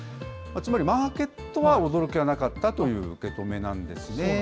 つまりマーケットは驚きはなかったという受け止めなんですね。